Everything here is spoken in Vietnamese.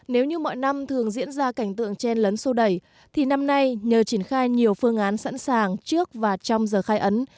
nếu như mọi năm thường diễn ra cảnh tượng chen lấn sô đẩy thì năm nay nhờ triển khai nhiều phương án sẵn sàng trước và trong giờ khai ấn